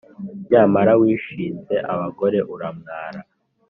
Nyamara wishinze abagore, uramwara